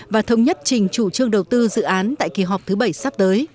và thống nhất trình chủ trương đầu tư dự án tại kỳ họp thứ bảy sắp tới